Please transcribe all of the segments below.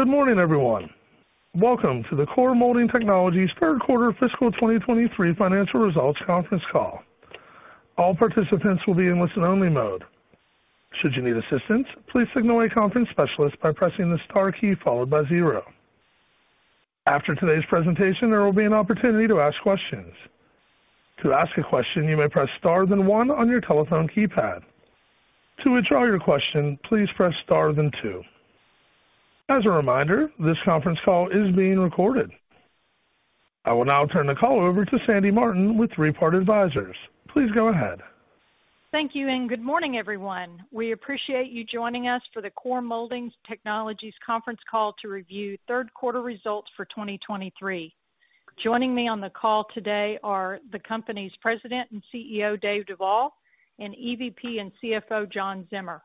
Good morning, everyone. Welcome to the Core Molding Technologies third quarter fiscal 2023 financial results conference call. All participants will be in listen-only mode. Should you need assistance, please signal a conference specialist by pressing the star key followed by zero. After today's presentation, there will be an opportunity to ask questions. To ask a question, you may press Star, then one on your telephone keypad. To withdraw your question, please press Star, then two. As a reminder, this conference call is being recorded. I will now turn the call over to Sandy Martin with Three Part Advisors. Please go ahead. Thank you, and good morning, everyone. We appreciate you joining us for the Core Molding Technologies conference call to review third quarter results for 2023. Joining me on the call today are the company's President and CEO, Dave Duvall, and EVP and CFO, John Zimmer.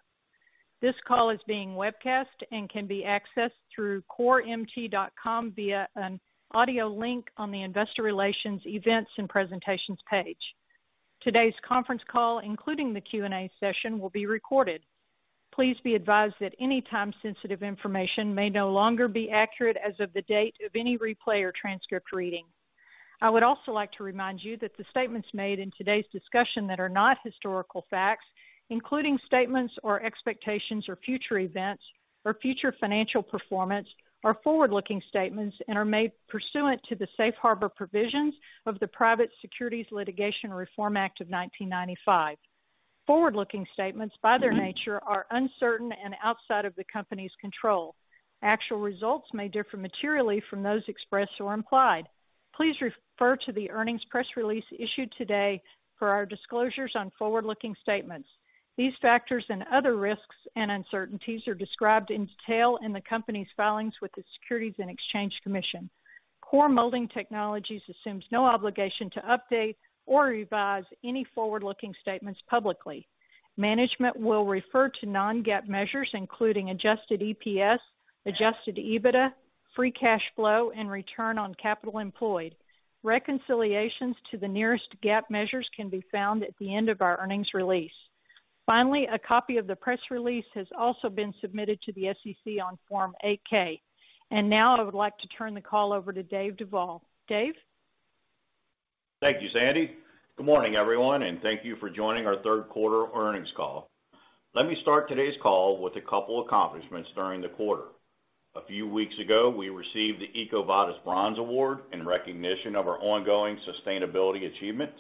This call is being webcast and can be accessed through coremt.com via an audio link on the Investor Relations Events and Presentations page. Today's conference call, including the Q&A session, will be recorded. Please be advised that any time-sensitive information may no longer be accurate as of the date of any replay or transcript reading. I would also like to remind you that the statements made in today's discussion that are not historical facts, including statements or expectations or future events or future financial performance, are forward-looking statements and are made pursuant to the safe harbor provisions of the Private Securities Litigation Reform Act of 1995. Forward-looking statements, by their nature, are uncertain and outside of the company's control. Actual results may differ materially from those expressed or implied. Please refer to the earnings press release issued today for our disclosures on forward-looking statements. These factors and other risks and uncertainties are described in detail in the company's filings with the Securities and Exchange Commission. Core Molding Technologies assumes no obligation to update or revise any forward-looking statements publicly. Management will refer to non-GAAP measures, including adjusted EPS, adjusted EBITDA, free cash flow, and return on capital employed. Reconciliations to the nearest GAAP measures can be found at the end of our earnings release. Finally, a copy of the press release has also been submitted to the SEC on Form 8-K. Now I would like to turn the call over to Dave Duvall. Dave? Thank you, Sandy. Good morning, everyone, and thank you for joining our third quarter earnings call. Let me start today's call with a couple accomplishments during the quarter. A few weeks ago, we received the EcoVadis Bronze Award in recognition of our ongoing sustainability achievements.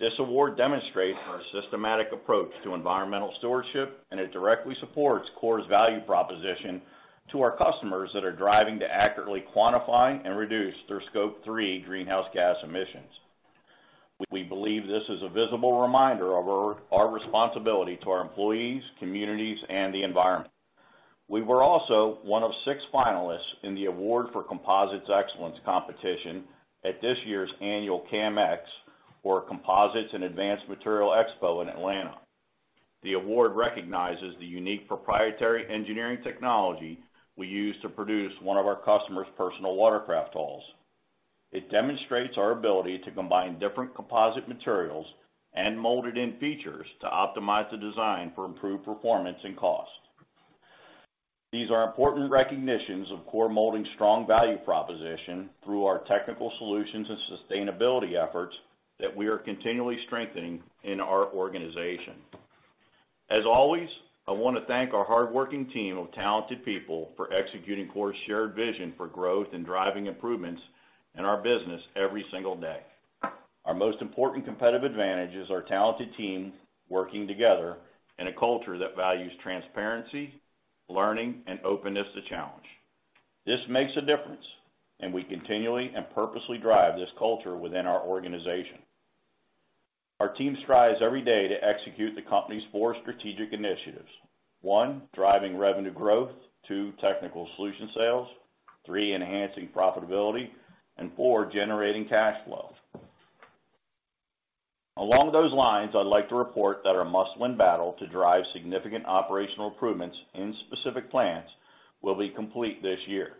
This award demonstrates our systematic approach to environmental stewardship, and it directly supports Core's value proposition to our customers that are driving to accurately quantify and reduce their Scope 3 greenhouse gas emissions. We believe this is a visible reminder of our, our responsibility to our employees, communities, and the environment. We were also one of six finalists in the Award for Composites Excellence competition at this year's annual CAMX, or Composites and Advanced Materials Expo in Atlanta. The award recognizes the unique proprietary engineering technology we use to produce one of our customers' personal watercraft hulls. It demonstrates our ability to combine different composite materials and mold-in features to optimize the design for improved performance and cost. These are important recognitions of Core Molding's strong value proposition through our technical solutions and sustainability efforts that we are continually strengthening in our organization. As always, I want to thank our hardworking team of talented people for executing Core's shared vision for growth and driving improvements in our business every single day. Our most important competitive advantage is our talented team working together in a culture that values transparency, learning, and openness to challenge. This makes a difference, and we continually and purposely drive this culture within our organization. Our team strives every day to execute the company's four strategic initiatives: one, driving revenue growth, two, technical solution sales, three, enhancing profitability, and four, generating cash flow. Along those lines, I'd like to report that our Must Win Battle to drive significant operational improvements in specific plants will be complete this year.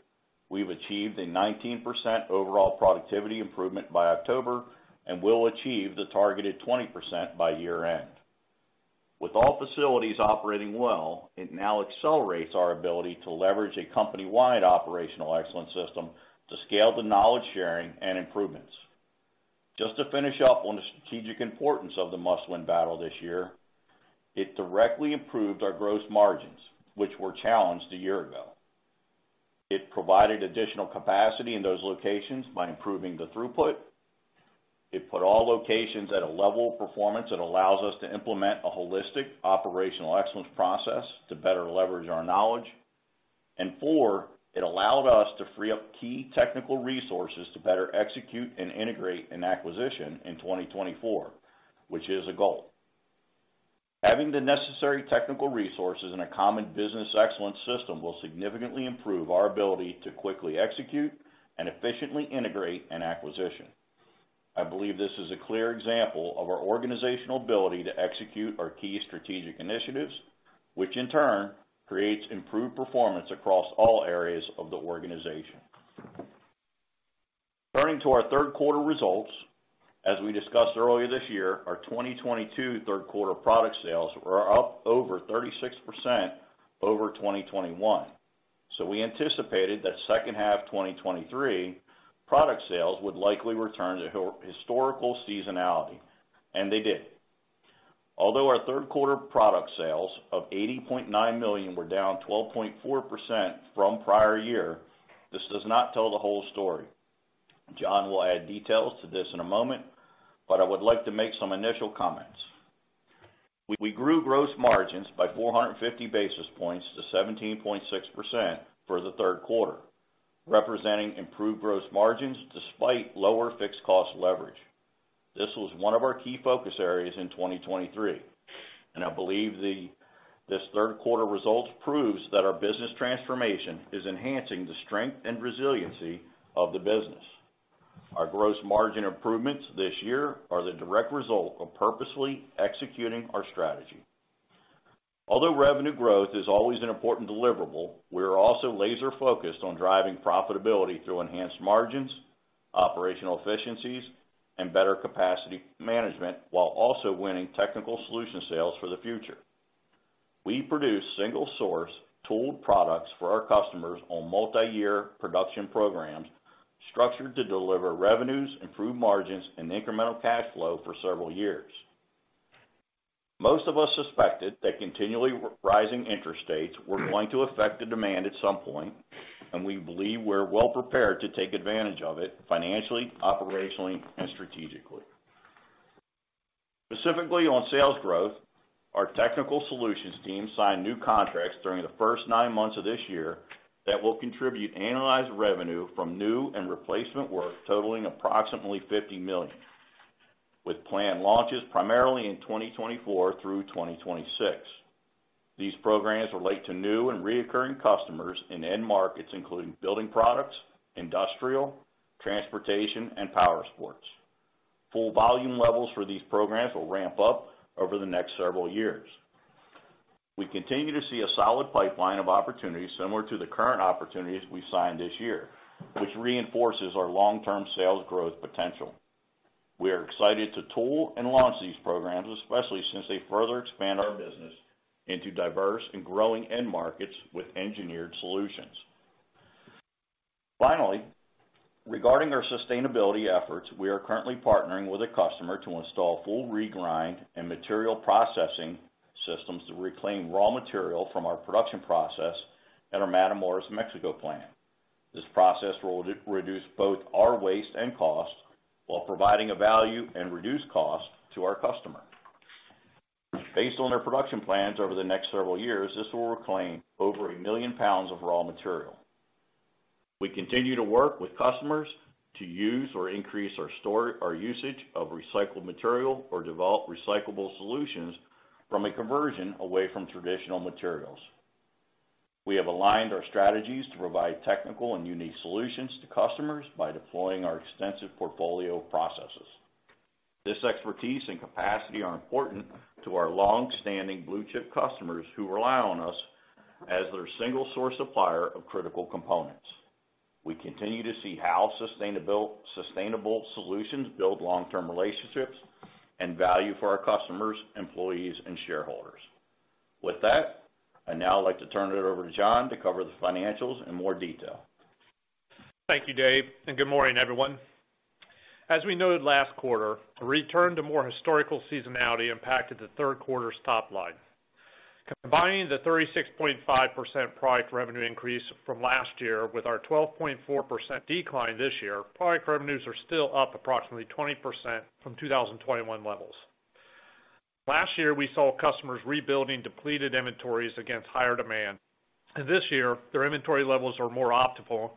We've achieved a 19% overall productivity improvement by October, and will achieve the targeted 20% by year-end. With all facilities operating well, it now accelerates our ability to leverage a company-wide operational excellence system to scale the knowledge sharing and improvements. Just to finish up on the strategic importance of the Must Win Battle this year, it directly improved our gross margins, which were challenged a year ago. It provided additional capacity in those locations by improving the throughput. It put all locations at a level of performance that allows us to implement a holistic operational excellence process to better leverage our knowledge. And four, it allowed us to free up key technical resources to better execute and integrate an acquisition in 2024, which is a goal. Having the necessary technical resources in a common business excellence system will significantly improve our ability to quickly execute and efficiently integrate an acquisition. I believe this is a clear example of our organizational ability to execute our key strategic initiatives, which in turn creates improved performance across all areas of the organization.... Turning to our third quarter results, as we discussed earlier this year, our 2022 third quarter product sales were up over 36% over 2021. So we anticipated that second half 2023, product sales would likely return to historical seasonality, and they did. Although our third quarter product sales of $80.9 million were down 12.4% from prior year, this does not tell the whole story. John will add details to this in a moment, but I would like to make some initial comments. We grew gross margins by 450 basis points to 17.6% for the third quarter, representing improved gross margins despite lower fixed cost leverage. This was one of our key focus areas in 2023, and I believe this third quarter results proves that our business transformation is enhancing the strength and resiliency of the business. Our gross margin improvements this year are the direct result of purposely executing our strategy. Although revenue growth is always an important deliverable, we are also laser-focused on driving profitability through enhanced margins, operational efficiencies, and better capacity management, while also winning technical solution sales for the future. We produce single-source tooled products for our customers on multiyear production programs, structured to deliver revenues, improved margins, and incremental cash flow for several years. Most of us suspected that continually rising interest rates were going to affect the demand at some point, and we believe we're well prepared to take advantage of it financially, operationally, and strategically. Specifically on sales growth, our technical solutions team signed new contracts during the first nine months of this year that will contribute annualized revenue from new and replacement work totaling approximately $50 million, with planned launches primarily in 2024 through 2026. These programs relate to new and recurring customers in end markets, including building products, industrial, transportation, and power sports. Full volume levels for these programs will ramp up over the next several years. We continue to see a solid pipeline of opportunities similar to the current opportunities we signed this year, which reinforces our long-term sales growth potential. We are excited to tool and launch these programs, especially since they further expand our business into diverse and growing end markets with engineered solutions. Finally, regarding our sustainability efforts, we are currently partnering with a customer to install full regrind and material processing systems to reclaim raw material from our production process at our Matamoros, Mexico plant. This process will reduce both our waste and cost, while providing a value and reduced cost to our customer. Based on our production plans over the next several years, this will reclaim over 1 million pounds of raw material. We continue to work with customers to use or increase our usage of recycled material, or develop recyclable solutions from a conversion away from traditional materials. We have aligned our strategies to provide technical and unique solutions to customers by deploying our extensive portfolio of processes. This expertise and capacity are important to our long-standing blue-chip customers, who rely on us as their single-source supplier of critical components. We continue to see how sustainable solutions build long-term relationships and value for our customers, employees, and shareholders. With that, I'd now like to turn it over to John to cover the financials in more detail. Thank you, Dave, and good morning, everyone. As we noted last quarter, a return to more historical seasonality impacted the third quarter's top line. Combining the 36.5% product revenue increase from last year with our 12.4% decline this year, product revenues are still up approximately 20% from 2021 levels. Last year, we saw customers rebuilding depleted inventories against higher demand, and this year, their inventory levels are more optimal,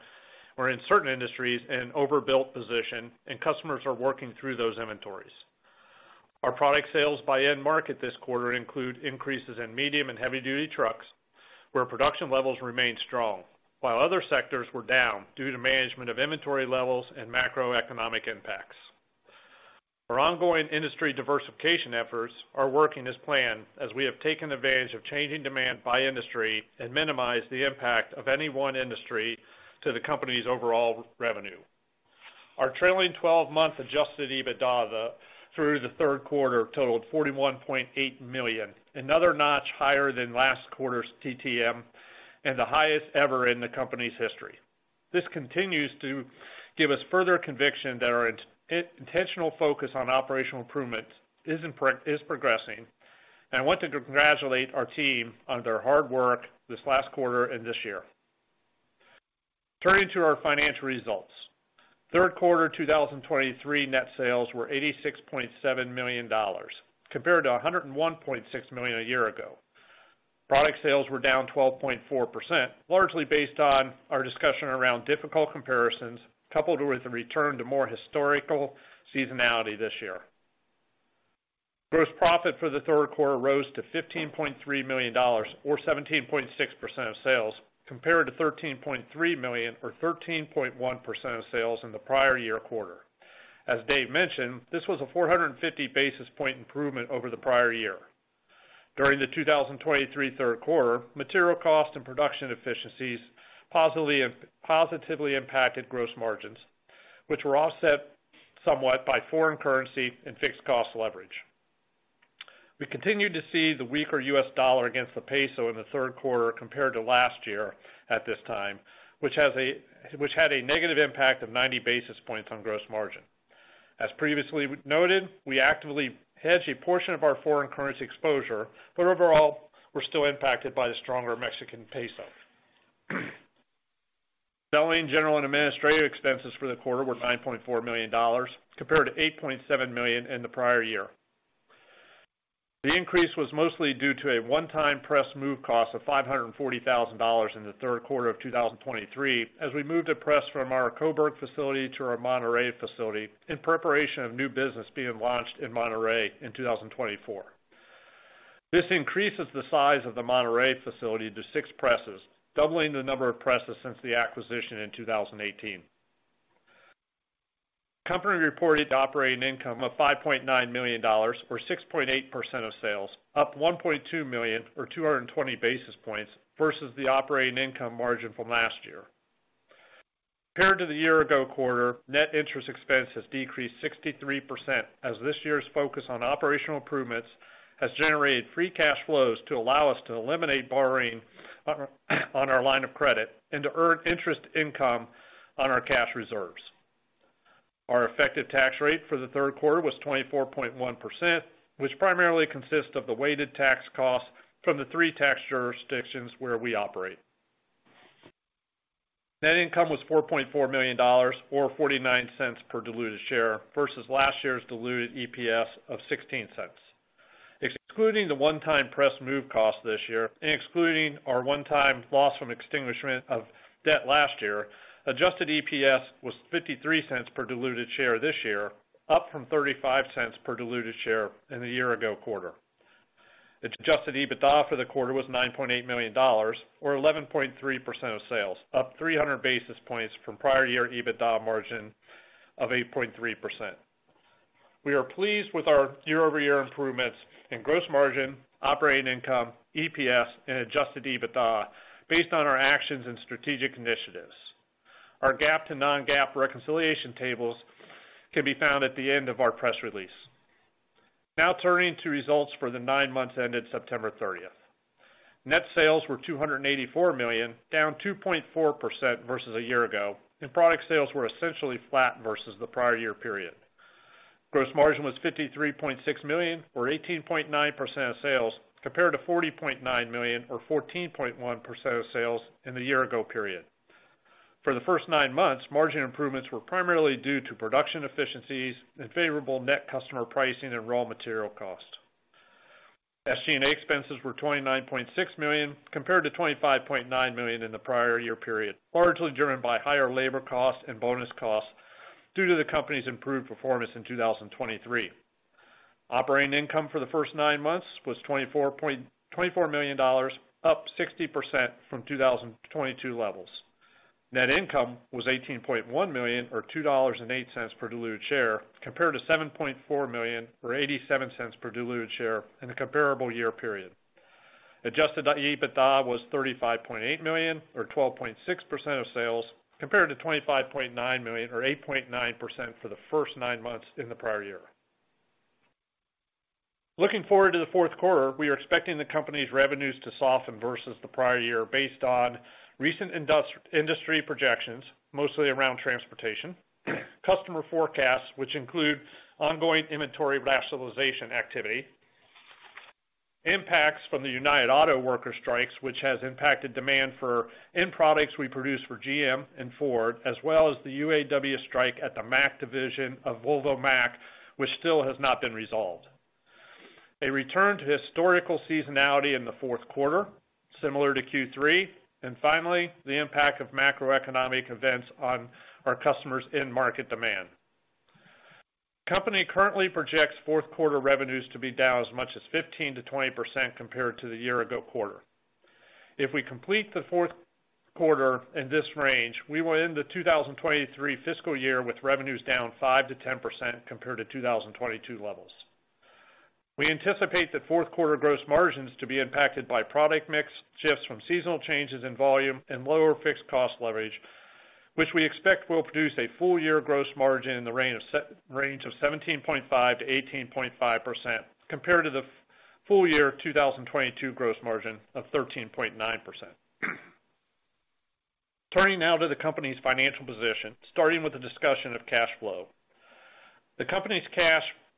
or in certain industries, an overbuilt position, and customers are working through those inventories. Our product sales by end market this quarter include increases in medium and heavy-duty trucks, where production levels remained strong, while other sectors were down due to management of inventory levels and macroeconomic impacts. Our ongoing industry diversification efforts are working as planned, as we have taken advantage of changing demand by industry and minimized the impact of any one industry to the company's overall revenue. Our trailing twelve-month Adjusted EBITDA through the third quarter totaled $41.8 million, another notch higher than last quarter's TTM and the highest ever in the company's history. This continues to give us further conviction that our intentional focus on operational improvements is progressing, and I want to congratulate our team on their hard work this last quarter and this year. Turning to our financial results. Third quarter 2023 net sales were $86.7 million, compared to $101.6 million a year ago. Product sales were down 12.4%, largely based on our discussion around difficult comparisons, coupled with a return to more historical seasonality this year. Gross profit for the third quarter rose to $15.3 million, or 17.6% of sales, compared to $13.3 million, or 13.1% of sales in the prior year quarter. As Dave mentioned, this was a 450 basis point improvement over the prior year. During the 2023 third quarter, material costs and production efficiencies positively impacted gross margins, which were offset somewhat by foreign currency and fixed cost leverage. We continued to see the weaker U.S. dollar against the peso in the third quarter compared to last year at this time, which had a negative impact of 90 basis points on gross margin. As previously noted, we actively hedge a portion of our foreign currency exposure, but overall, we're still impacted by the stronger Mexican peso. Selling, general, and administrative expenses for the quarter were $9.4 million, compared to $8.7 million in the prior year. The increase was mostly due to a one-time press move cost of $540,000 in the third quarter of 2023, as we moved a press from our Cobourg facility to our Monterrey facility in preparation of new business being launched in Monterrey in 2024. This increases the size of the Monterrey facility to six presses, doubling the number of presses since the acquisition in 2018. Company reported operating income of $5.9 million, or 6.8% of sales, up $1.2 million, or 220 basis points versus the operating income margin from last year. Compared to the year-ago quarter, net interest expense has decreased 63%, as this year's focus on operational improvements has generated free cash flows to allow us to eliminate borrowing on our line of credit and to earn interest income on our cash reserves. Our effective tax rate for the third quarter was 24.1%, which primarily consists of the weighted tax costs from the three tax jurisdictions where we operate. Net income was $4.4 million, or $0.49 per diluted share, versus last year's diluted EPS of $0.16. Excluding the one-time press move cost this year and excluding our one-time loss from extinguishment of debt last year, adjusted EPS was $0.53 per diluted share this year, up from $0.35 per diluted share in the year ago quarter. Adjusted EBITDA for the quarter was $9.8 million, or 11.3% of sales, up 300 basis points from prior year EBITDA margin of 8.3%. We are pleased with our year-over-year improvements in gross margin, operating income, EPS, and adjusted EBITDA, based on our actions and strategic initiatives. Our GAAP to non-GAAP reconciliation tables can be found at the end of our press release. Now turning to results for the nine months ended September 30. Net sales were $284 million, down 2.4% versus a year ago, and product sales were essentially flat versus the prior year period. Gross margin was $53.6 million, or 18.9% of sales, compared to $40.9 million or 14.1% of sales in the year ago period. For the first nine months, margin improvements were primarily due to production efficiencies and favorable net customer pricing and raw material cost. SG&A expenses were $29.6 million, compared to $25.9 million in the prior year period, largely driven by higher labor costs and bonus costs due to the company's improved performance in 2023. Operating income for the first nine months was twenty-four million dollars, up 60% from 2022 levels. Net income was $18.1 million, or $2.08 per diluted share, compared to $7.4 million, or $0.87 per diluted share in the comparable year period. Adjusted EBITDA was $35.8 million, or 12.6% of sales, compared to $25.9 million, or 8.9% for the first nine months in the prior year. Looking forward to the fourth quarter, we are expecting the company's revenues to soften versus the prior year based on recent industry projections, mostly around transportation, customer forecasts, which include ongoing inventory rationalization activity, impacts from the United Auto Workers strikes, which has impacted demand for end products we produce for GM and Ford, as well as the UAW strike at the Mack division of Volvo Mack, which still has not been resolved. A return to historical seasonality in the fourth quarter, similar to Q3, and finally, the impact of macroeconomic events on our customers' end market demand. The company currently projects fourth quarter revenues to be down as much as 15%-20% compared to the year ago quarter. If we complete the fourth quarter in this range, we will end the 2023 fiscal year with revenues down 5%-10% compared to 2022 levels. We anticipate that fourth quarter gross margins to be impacted by product mix, shifts from seasonal changes in volume, and lower fixed cost leverage, which we expect will produce a full year gross margin in the range of 17.5%-18.5%, compared to the full year 2022 gross margin of 13.9%. Turning now to the company's financial position, starting with a discussion of cash flow. The company's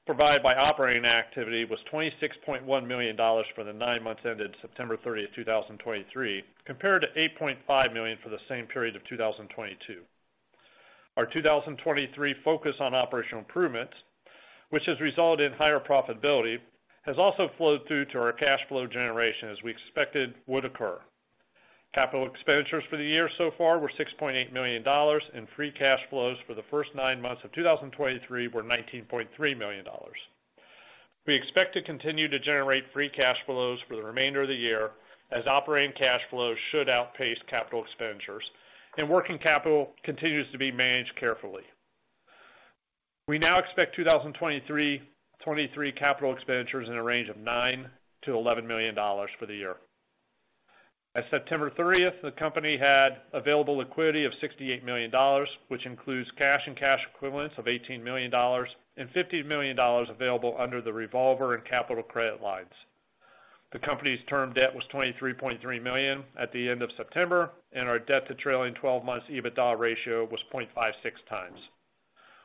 cash provided by operating activity was $26.1 million for the nine months ended September 30, 2023, compared to $8.5 million for the same period of 2022. Our 2023 focus on operational improvements, which has resulted in higher profitability, has also flowed through to our cash flow generation, as we expected would occur. Capital expenditures for the year so far were $6.8 million, and free cash flows for the first nine months of 2023 were $19.3 million. We expect to continue to generate free cash flows for the remainder of the year, as operating cash flows should outpace capital expenditures, and working capital continues to be managed carefully.... We now expect 2023 capital expenditures in a range of $9 million-$11 million for the year. By September 30, the company had available liquidity of $68 million, which includes cash and cash equivalents of $18 million and $50 million available under the revolver and capital credit lines. The company's term debt was $23.3 million at the end of September, and our debt to trailing twelve months EBITDA ratio was 0.56 times.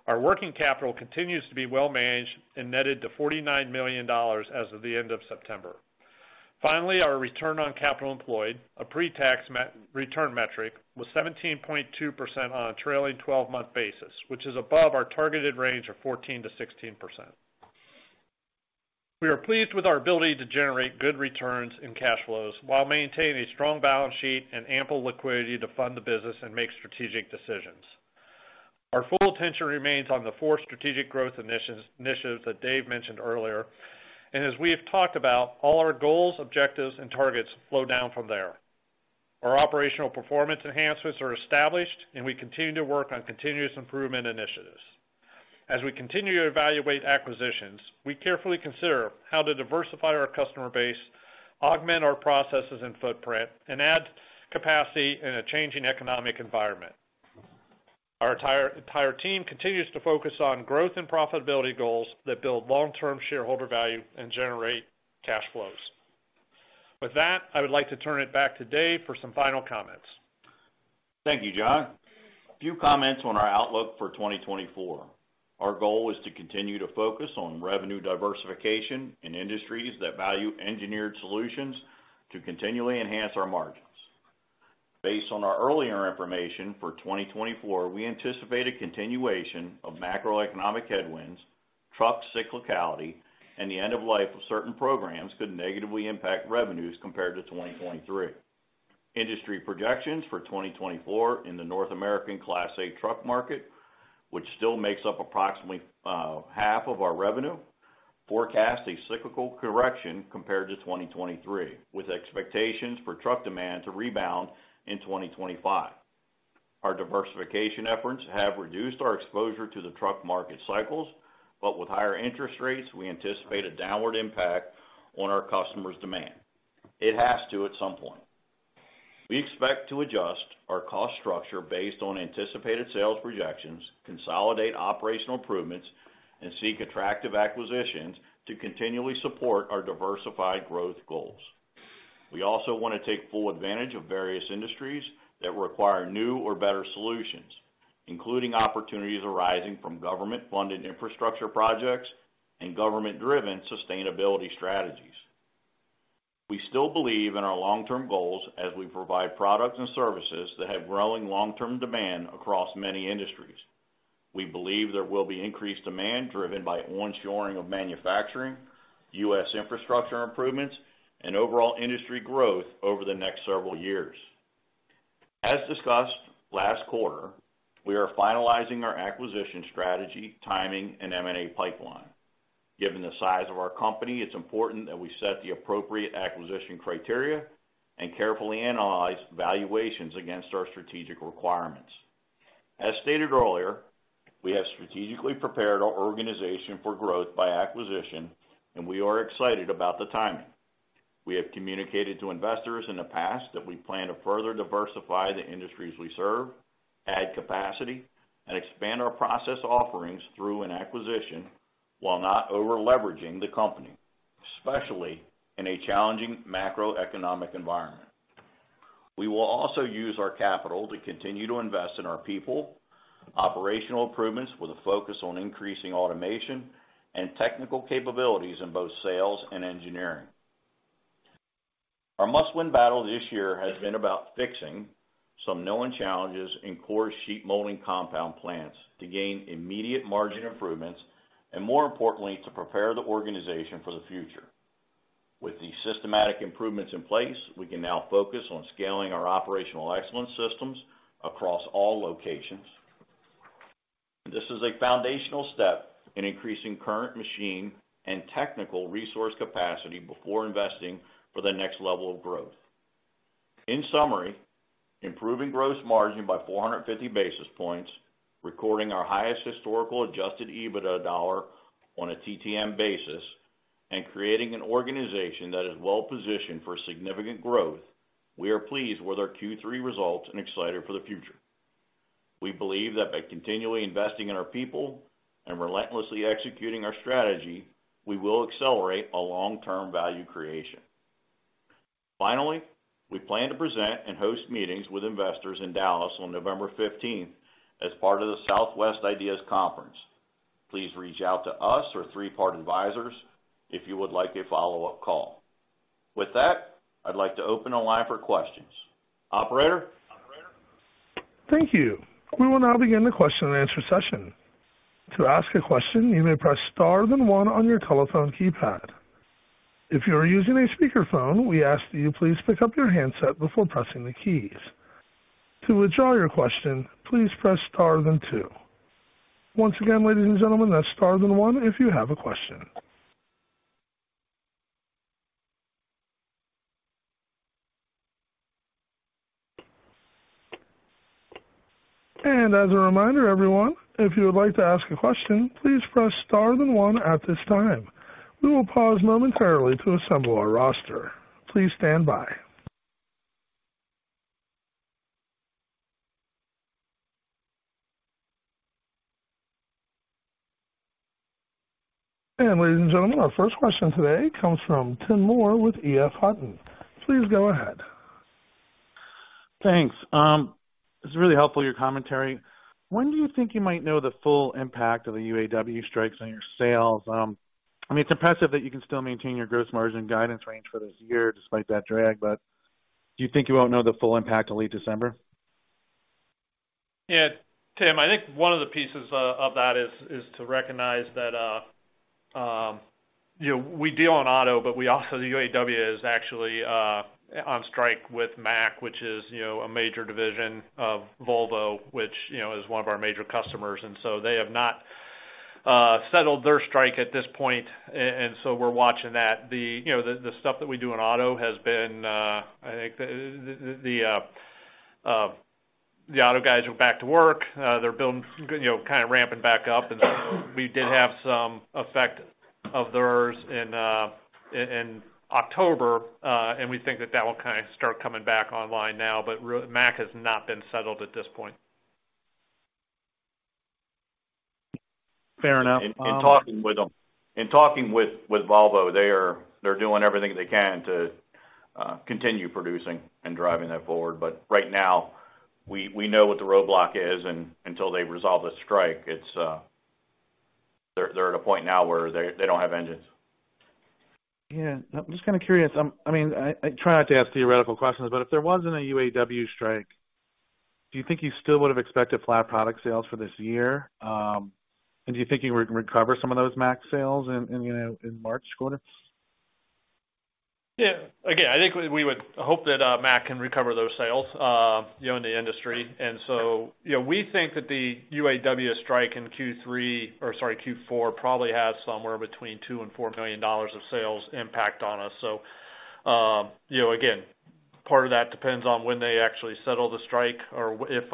Our working capital continues to be well managed and netted to $49 million as of the end of September. Finally, our return on capital employed, a pre-tax return metric, was 17.2% on a trailing twelve-month basis, which is above our targeted range of 14%-16%. We are pleased with our ability to generate good returns and cash flows while maintaining a strong balance sheet and ample liquidity to fund the business and make strategic decisions. Our full attention remains on the four strategic growth initiatives, initiatives that Dave mentioned earlier, and as we have talked about, all our goals, objectives, and targets flow down from there. Our operational performance enhancements are established, and we continue to work on continuous improvement initiatives. As we continue to evaluate acquisitions, we carefully consider how to diversify our customer base, augment our processes and footprint, and add capacity in a changing economic environment. Our entire team continues to focus on growth and profitability goals that build long-term shareholder value and generate cash flows. With that, I would like to turn it back to Dave for some final comments. Thank you, John. A few comments on our outlook for 2024. Our goal is to continue to focus on revenue diversification in industries that value engineered solutions to continually enhance our margins. Based on our earlier information, for 2024, we anticipate a continuation of macroeconomic headwinds, truck cyclicality, and the end of life of certain programs could negatively impact revenues compared to 2023. Industry projections for 2024 in the North American Class 8 truck market, which still makes up approximately half of our revenue, forecast a cyclical correction compared to 2023, with expectations for truck demand to rebound in 2025. Our diversification efforts have reduced our exposure to the truck market cycles, but with higher interest rates, we anticipate a downward impact on our customers' demand. It has to at some point. We expect to adjust our cost structure based on anticipated sales projections, consolidate operational improvements, and seek attractive acquisitions to continually support our diversified growth goals. We also want to take full advantage of various industries that require new or better solutions, including opportunities arising from government-funded infrastructure projects and government-driven sustainability strategies. We still believe in our long-term goals as we provide products and services that have growing long-term demand across many industries. We believe there will be increased demand driven by onshoring of manufacturing, US infrastructure improvements, and overall industry growth over the next several years. As discussed last quarter, we are finalizing our acquisition strategy, timing, and M&A pipeline. Given the size of our company, it's important that we set the appropriate acquisition criteria and carefully analyze valuations against our strategic requirements. As stated earlier, we have strategically prepared our organization for growth by acquisition, and we are excited about the timing. We have communicated to investors in the past that we plan to further diversify the industries we serve, add capacity, and expand our process offerings through an acquisition, while not over-leveraging the company, especially in a challenging macroeconomic environment. We will also use our capital to continue to invest in our people, operational improvements with a focus on increasing automation and technical capabilities in both sales and engineering. Our must-win battle this year has been about fixing some known challenges in core sheet molding compound plants to gain immediate margin improvements, and more importantly, to prepare the organization for the future. With the systematic improvements in place, we can now focus on scaling our operational excellence systems across all locations. This is a foundational step in increasing current machine and technical resource capacity before investing for the next level of growth. In summary, improving gross margin by 450 basis points, recording our highest historical Adjusted EBITDA dollar on a TTM basis, and creating an organization that is well positioned for significant growth, we are pleased with our Q3 results and excited for the future. We believe that by continually investing in our people and relentlessly executing our strategy, we will accelerate a long-term value creation. Finally, we plan to present and host meetings with investors in Dallas on November fifteenth as part of the Southwest IDEAS Conference. Please reach out to us or Three Part Advisors if you would like a follow-up call. With that, I'd like to open a line for questions. Operator? Thank you. We will now begin the question and answer session. To ask a question, you may press star then one on your telephone keypad. If you are using a speakerphone, we ask that you please pick up your handset before pressing the keys. To withdraw your question, please press star then two. Once again, ladies and gentlemen, that's star then one if you have a question. And as a reminder, everyone, if you would like to ask a question, please press star then one at this time. We will pause momentarily to assemble our roster. Please stand by. And ladies and gentlemen, our first question today comes from Tim Moore with EF Hutton. Please go ahead. Thanks. It's really helpful, your commentary. When do you think you might know the full impact of the UAW strikes on your sales? I mean, it's impressive that you can still maintain your gross margin guidance range for this year despite that drag, but do you think you won't know the full impact till late December? Yeah, Tim, I think one of the pieces of that is to recognize that, you know, we deal on auto, but we also, the UAW is actually on strike with Mack, which is, you know, a major division of Volvo, which, you know, is one of our major customers, and so they have not settled their strike at this point. And so we're watching that. The, you know, the stuff that we do in auto has been, I think the auto guys are back to work. They're building, you know, kind of ramping back up, and we did have some effect of theirs in October, and we think that that will kind of start coming back online now, but Mack has not been settled at this point. Fair enough, In talking with Volvo, they are doing everything they can to continue producing and driving that forward. But right now, we know what the roadblock is, and until they resolve the strike, it's they're at a point now where they don't have engines. Yeah. I'm just kind of curious, I mean, I try not to ask theoretical questions, but if there wasn't a UAW strike, do you think you still would have expected flat product sales for this year? And do you think you would recover some of those Mack sales in, you know, in March quarter? Yeah. Again, I think we would hope that Mack can recover those sales, you know, in the industry. And so, you know, we think that the UAW strike in Q3, or sorry, Q4, probably has somewhere between $2 million-$4 million of sales impact on us. So, again, part of that depends on when they actually settle the strike or if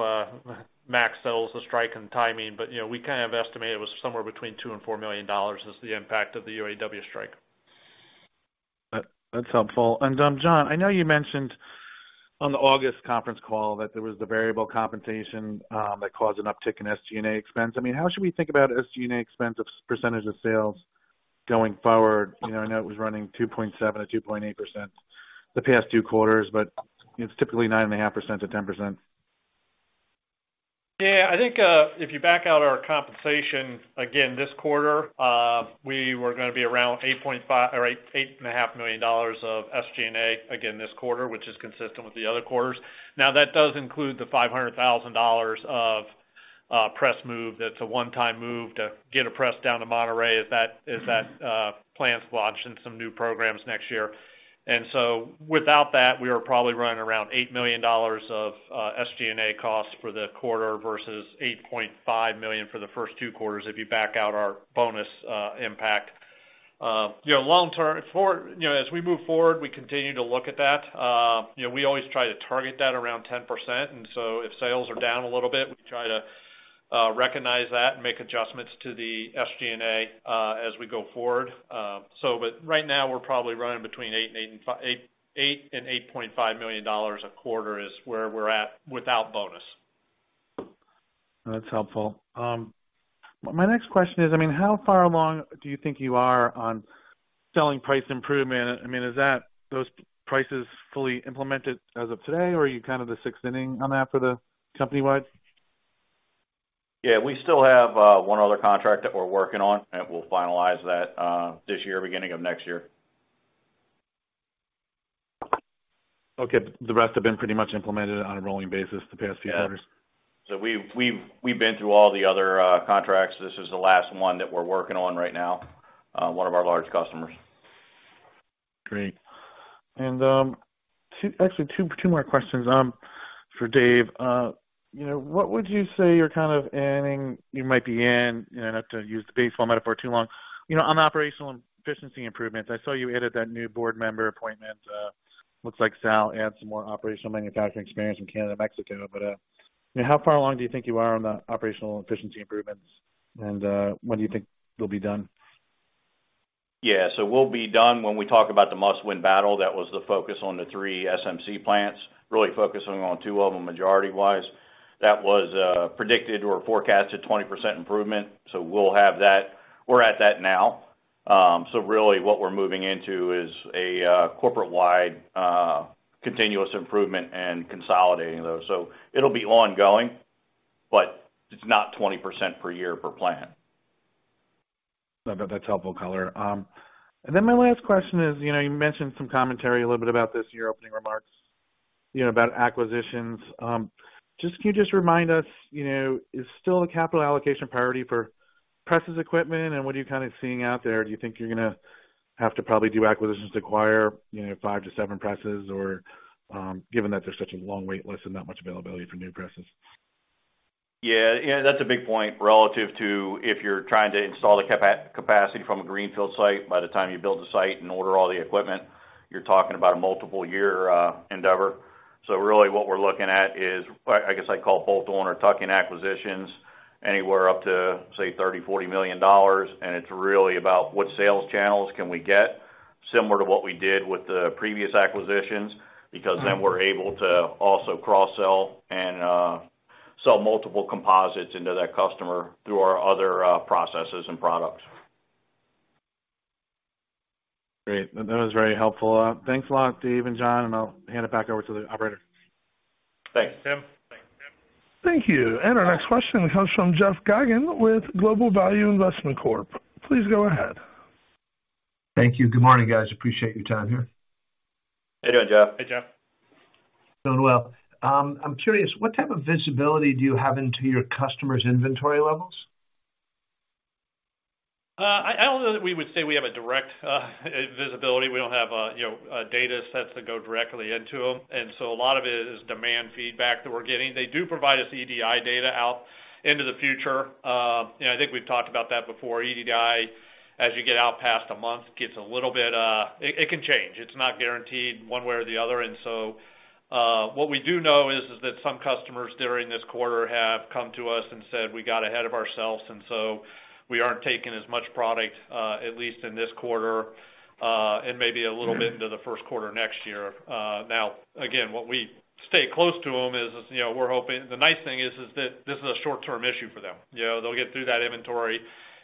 Mack settles the strike and timing. But, you know, we kind of estimated it was somewhere between $2 million-$4 million is the impact of the UAW strike. That's helpful. John, I know you mentioned on the August conference call that there was the variable compensation that caused an uptick in SG&A expense. I mean, how should we think about SG&A expense as percentage of sales going forward? I know it was running 2.7% or 2.8% the past two quarters, but it's typically 9.5%-10%. Yeah, I think, if you back out our compensation, again, this quarter, we were gonna be around $8.5 or $8-$8.5 million of SG&A, again, this quarter, which is consistent with the other quarters. Now, that does include the $500,000 of press move. That's a one-time move to get a press down to Monterrey as that plant launched and some new programs next year. And so without that, we were probably running around $8 million of SG&A costs for the quarter versus $8.5 million for the first two quarters if you back out our bonus impact. You know, long term, you know, as we move forward, we continue to look at that. You know, we always try to target that around 10%, and so if sales are down a little bit, we try to recognize that and make adjustments to the SG&A as we go forward. So but right now, we're probably running between $8-$8.5 million a quarter is where we're at without bonus. That's helpful. My next question is, I mean, how far along do you think you are on selling price improvement? I mean, is that, those prices fully implemented as of today, or are you kind of the sixth inning on that for the company-wide? Yeah, we still have one other contract that we're working on, and we'll finalize that this year, beginning of next year. Okay. The rest have been pretty much implemented on a rolling basis the past few quarters? Yeah. So we've been through all the other contracts. This is the last one that we're working on right now, one of our large customers. Great. Actually, two more questions for Dave. You know, what would you say you're kind of ending, you might be in, you know, not to use the baseball metaphor too long, you know, on operational efficiency improvements. I saw you added that new board member appointment. Looks like she adds some more operational manufacturing experience in Canada and Mexico. But how far along do you think you are on the operational efficiency improvements, and when do you think you'll be done? Yeah, so we'll be done when we talk about the must-win battle. That was the focus on the three SMC plants, really focusing on two of them, majority wise. That was predicted or forecast at 20% improvement, so we'll have that. We're at that now. So really what we're moving into is a corporate-wide continuous improvement and consolidating those. So it'll be ongoing, but it's not 20% per year per plant. That, that's helpful color. And then my last question is, you know, you mentioned some commentary a little bit about this in your opening remarks, you know, about acquisitions. Just, can you just remind us, you know, is still a capital allocation priority for presses equipment and what are you kind of seeing out there? Do you think you're gonna have to probably do acquisitions to acquire, you know, 5-7 presses or, given that there's such a long wait list and not much availability for new presses?... Yeah, yeah, that's a big point relative to if you're trying to install the capacity from a greenfield site. By the time you build the site and order all the equipment, you're talking about a multi-year endeavor. So really what we're looking at is, I, I guess I'd call bolt-on or tuck-in acquisitions, anywhere up to, say, $30 million-$40 million. And it's really about what sales channels can we get, similar to what we did with the previous acquisitions, because then we're able to also cross-sell and sell multiple composites into that customer through our other processes and products. Great. That was very helpful. Thanks a lot, Dave and John, and I'll hand it back over to the operator. Thanks, Tim. Thank you. And our next question comes from Jeff Geygan with Global Value Investment Corp. Please go ahead. Thank you. Good morning, guys. Appreciate your time here. How you doing, Jeff? Hey, Jeff. Doing well. I'm curious, what type of visibility do you have into your customers' inventory levels? I don't know that we would say we have a direct visibility. We don't have, you know, data sets that go directly into them, and so a lot of it is demand feedback that we're getting. They do provide us EDI data out into the future. And I think we've talked about that before. EDI, as you get out past a month, gets a little bit. It can change. It's not guaranteed one way or the other. What we do know is that some customers during this quarter have come to us and said, "We got ahead of ourselves, and so we aren't taking as much product, at least in this quarter, and maybe a little bit into the first quarter next year." Now, again, what we stay close to them is, you know, we're hoping, the nice thing is that this is a short-term issue for them. You know, they'll get through that inventory,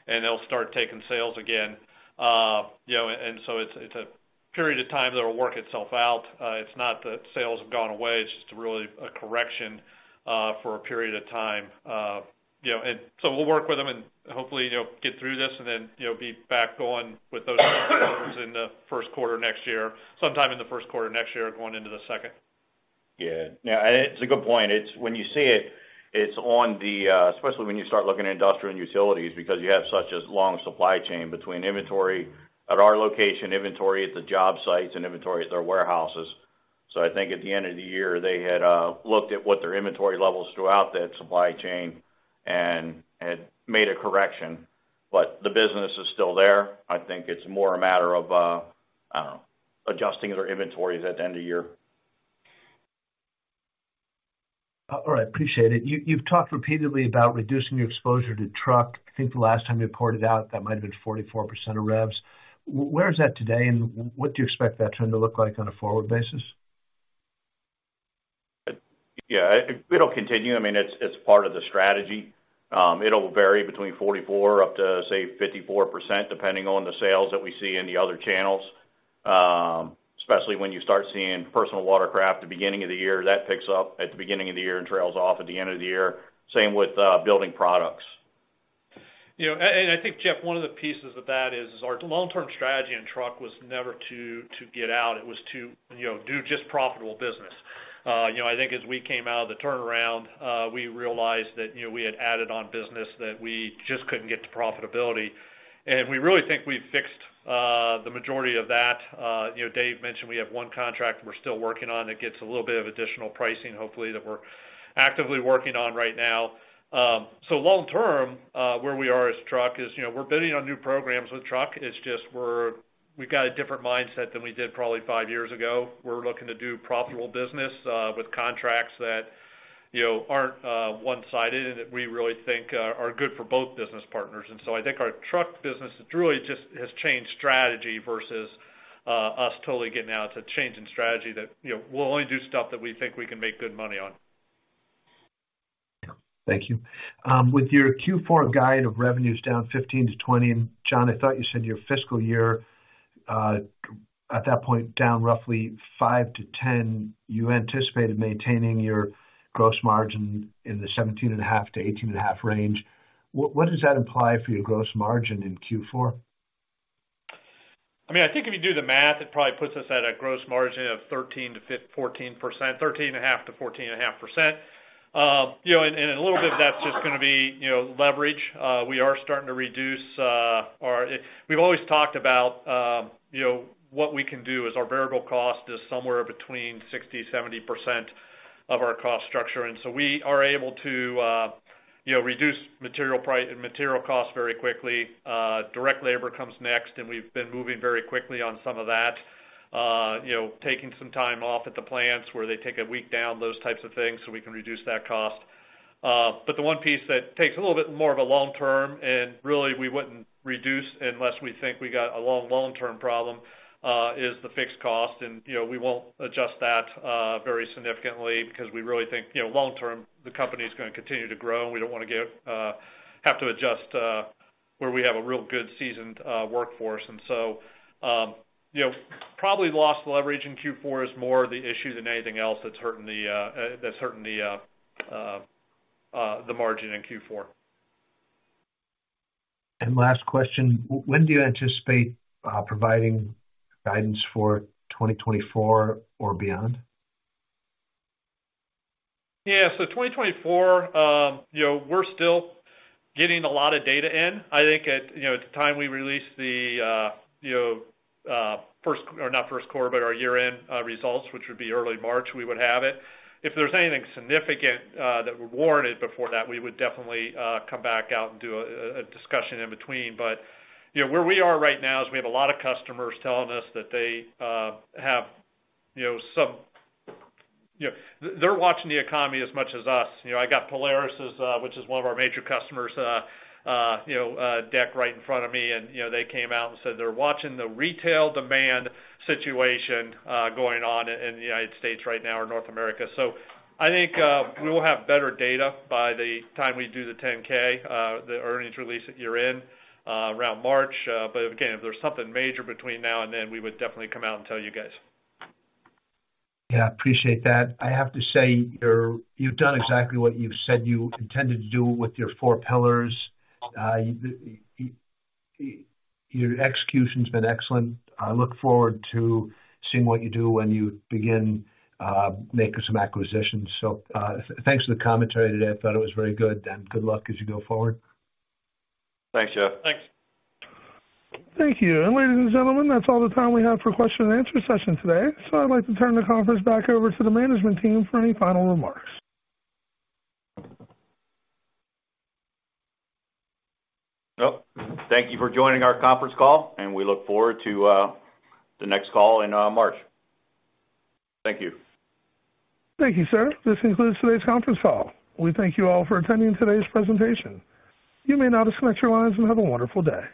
and they'll start taking sales again. You know, and so it's a period of time that will work itself out. It's not that sales have gone away, it's just really a correction for a period of time. You know, and so we'll work with them and hopefully, you know, get through this and then, you know, be back going with those in the first quarter next year, sometime in the first quarter next year, going into the second. Yeah. Now, and it's a good point. It's when you see it, it's on the, especially when you start looking at industrial and utilities, because you have such a long supply chain between inventory at our location, inventory at the job sites, and inventory at their warehouses. So I think at the end of the year, they had looked at what their inventory levels throughout that supply chain and had made a correction. But the business is still there. I think it's more a matter of, I don't know, adjusting their inventories at the end of the year. All right. Appreciate it. You’ve talked repeatedly about reducing your exposure to truck. I think the last time you reported out, that might have been 44% of revs. Where is that today, and what do you expect that trend to look like on a forward basis? Yeah, it'll continue. I mean, it's, it's part of the strategy. It'll vary between 44 up to, say, 54%, depending on the sales that we see in the other channels, especially when you start seeing personal watercraft at the beginning of the year. That picks up at the beginning of the year and trails off at the end of the year. Same with, building products. You know, I think, Jeff, one of the pieces of that is our long-term strategy in truck was never to get out. It was to, you know, do just profitable business. You know, I think as we came out of the turnaround, we realized that, you know, we had added on business that we just couldn't get to profitability. And we really think we've fixed the majority of that. You know, Dave mentioned we have one contract we're still working on. It gets a little bit of additional pricing, hopefully, that we're actively working on right now. So long term, where we are as truck is, you know, we're bidding on new programs with truck. It's just we've got a different mindset than we did probably five years ago. We're looking to do profitable business, with contracts that, you know, aren't one-sided and that we really think are good for both business partners. And so I think our truck business really just has changed strategy versus us totally getting out. It's a change in strategy that, you know, we'll only do stuff that we think we can make good money on. Thank you. With your Q4 guide of revenues down 15%-20%, and John, I thought you said your fiscal year, at that point, down roughly 5-10%. You anticipated maintaining your gross margin in the 17.5%-18.5% range. What does that imply for your gross margin in Q4? I mean, I think if you do the math, it probably puts us at a gross margin of 13%-14%, 13.5%-14.5%. You know, and, and a little bit of that's just gonna be, you know, leverage. We are starting to reduce our... We've always talked about, you know, what we can do as our variable cost is somewhere between 60%-70% of our cost structure. And so we are able to, you know, reduce material costs very quickly. Direct labor comes next, and we've been moving very quickly on some of that. You know, taking some time off at the plants where they take a week down, those types of things, so we can reduce that cost. But the one piece that takes a little bit more of a long-term, and really, we wouldn't reduce unless we think we got a long, long-term problem, is the fixed cost. And, you know, we won't adjust that very significantly because we really think, you know, long-term, the company is gonna continue to grow, and we don't wanna get, have to adjust where we have a real good seasoned workforce. And so, you know, probably lost leverage in Q4 is more the issue than anything else that's hurting the, that's hurting the margin in Q4. Last question: When do you anticipate providing guidance for 2024 or beyond? Yeah, so 2024, you know, we're still getting a lot of data in. I think at, you know, at the time we release the, you know, first, or not first quarter, but our year-end, results, which would be early March, we would have it. If there's anything significant, that warranted before that, we would definitely, come back out and do a discussion in between. But, you know, where we are right now is we have a lot of customers telling us that they, have, you know, some—you know, they're watching the economy as much as us. You know, I got Polaris's, which is one of our major customers, you know, deck right in front of me, and, you know, they came out and said they're watching the retail demand situation, going on in the United States right now or North America. So I think, we'll have better data by the time we do the 10-K, the earnings release at year-end, around March. But again, if there's something major between now and then, we would definitely come out and tell you guys. Yeah, appreciate that. I have to say, you've done exactly what you've said you intended to do with your four pillars. Your execution's been excellent. I look forward to seeing what you do when you begin making some acquisitions. So, thanks for the commentary today. I thought it was very good, and good luck as you go forward. Thanks, Jeff. Thanks. Thank you. Ladies and gentlemen, that's all the time we have for question and answer session today, so I'd like to turn the conference back over to the management team for any final remarks. Well, thank you for joining our conference call, and we look forward to the next call in March. Thank you. Thank you, sir. This concludes today's conference call. We thank you all for attending today's presentation. You may now disconnect your lines and have a wonderful day.